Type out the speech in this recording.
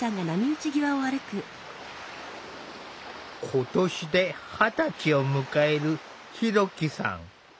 今年で二十歳を迎えるひろきさん。